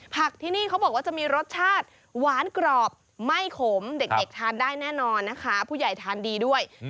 ที่นี่เขาบอกว่าจะมีรสชาติหวานกรอบไม่ขมเด็กทานได้แน่นอนนะคะผู้ใหญ่ทานดีด้วย